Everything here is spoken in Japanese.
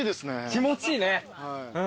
気持ちいいね。